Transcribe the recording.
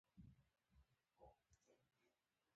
ټکنالوجي د روغتیا په برخه کې مرسته کوي.